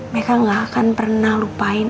mereka gak akan pernah lupain